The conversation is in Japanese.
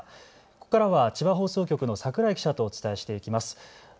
ここからは千葉放送局の櫻井記者とお伝えします。